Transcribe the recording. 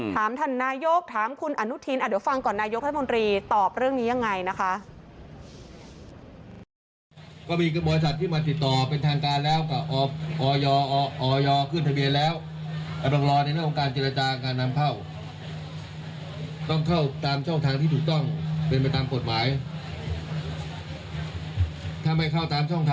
ถามท่านนายกถามคุณอนุทินเดี๋ยวฟังก่อนนายกรัฐมนตรีตอบเรื่องนี้ยังไงนะคะ